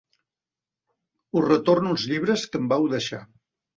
Us retorno els llibres que em vau deixar.